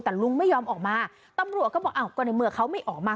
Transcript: แต่ลุงไม่ยอมออกมาตำรวจก็บอกอ้าวก็ในเมื่อเขาไม่ออกมา